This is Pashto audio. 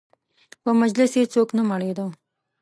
په مجلس یې څوک نه مړېده.